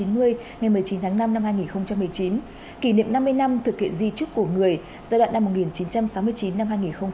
ngày một mươi chín tháng năm năm hai nghìn một mươi chín kỷ niệm năm mươi năm thực hiện di trúc của người giai đoạn năm một nghìn chín trăm sáu mươi chín hai nghìn hai mươi